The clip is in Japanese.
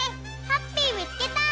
ハッピーみつけた！